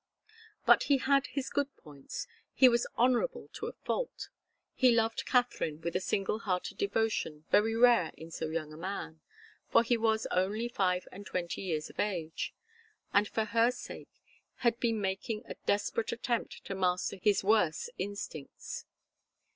But he had his good points. He was honourable to a fault. He loved Katharine with a single hearted devotion very rare in so young a man, for he was only five and twenty years of age, and for her sake had been making a desperate attempt to master his worse instincts.